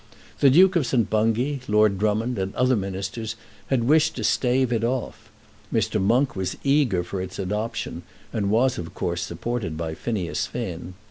The Duke of St. Bungay, Lord Drummond, and other Ministers had wished to stave it off. Mr. Monk was eager for its adoption, and was of course supported by Phineas Finn.